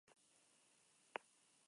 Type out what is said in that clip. At. López-Cavallero.